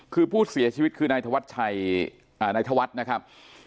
คือผู้เสียชีวิตคือนายธวัชชัยนายธวัฒน์นะครับ